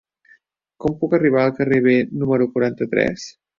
Com puc arribar al carrer B número quaranta-tres?